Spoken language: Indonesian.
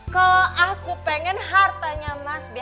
kalau aku pengen hartanya mas b